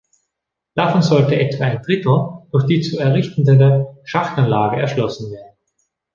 Davon sollte etwa ein Drittel durch die zu errichtende Schachtanlage erschlossen werden.